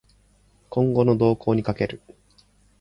今後の動向に賭ける